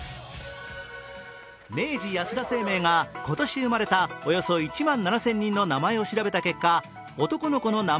明治安田生命が今年生まれたおよそ１万人の名前を調べたところ男の子の名前